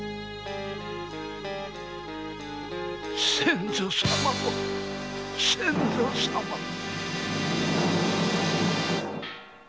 先祖様を先祖様を